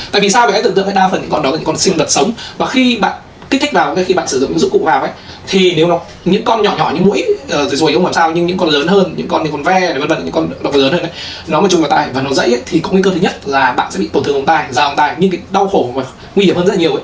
tại vì sao các bạn hãy tưởng tượng đa phần những con đó là những con sinh vật sống và khi bạn kích thích vào khi bạn sử dụng những dụng cụ vào thì nếu những con nhỏ nhỏ như mũi rùi rùi không làm sao nhưng những con lớn hơn những con ve những con vật vật lớn hơn nó mà chui vào tai và nó rẫy thì có nguy cơ thứ nhất là bạn sẽ bị tổn thương vòng tai rào vòng tai những cái đau khổ nguy hiểm hơn rất là nhiều